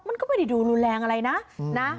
มันก็ไม่ได้ดูรุนแรงอะไรนะนะ